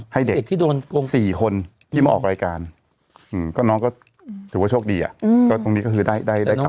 ให้เด็กกันเหรอให้เด็กที่โดน